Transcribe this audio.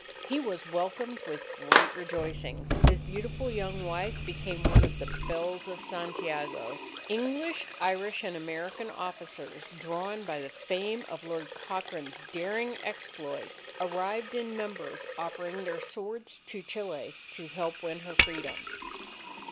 He was welcomed with great rejoicings. His beautiful young wife became one of the belles of Santiago. English, Irish, and American officers, drawn by the fame of Lord Cochrane's daring exploits, arrived in numbers offering their swords to Chile to help win her Freedom.